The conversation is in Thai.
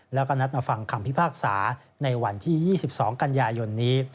แล้วก็นัดมาฟังคำพิพากษาในวันที่๒๒กันยายนนี้